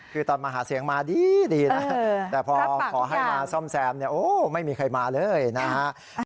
คือตอนมาหาเสียงมาดีนะแต่พอขอให้มาซ่อมแซมเนี่ยโอ้ไม่มีใครมาเลยนะฮะ